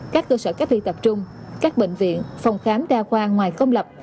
các cơ sở cấp thi tập trung các bệnh viện phòng khám đa khoa ngoài công lập